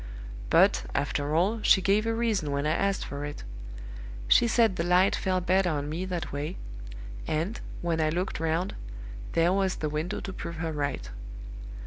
But, after all, she gave a reason when I asked for it. She said the light fell better on me that way; and, when I looked round, there was the window to prove her right.